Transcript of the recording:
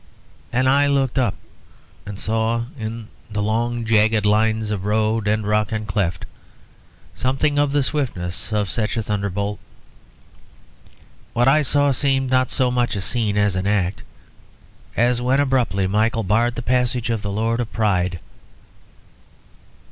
Then I looked up and saw in the long jagged lines of road and rock and cleft something of the swiftness of such a thunderbolt. What I saw seemed not so much a scene as an act; as when abruptly Michael barred the passage of the Lord of Pride.